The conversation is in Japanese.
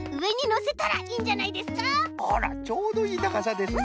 あらちょうどいいたかさですね。